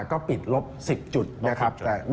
ก็ปิดลบ๑๐จุดนะครับ